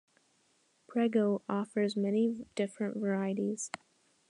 Prego offers many different varieties.